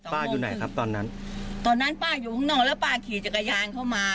อยู่ไหนครับตอนนั้นตอนนั้นป้าอยู่ข้างนอกแล้วป้าขี่จักรยานเข้ามา